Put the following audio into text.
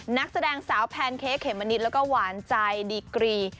นักแสดงสาวแพนเค้กเขมมะนิดแล้วก็หวานใจดีกรี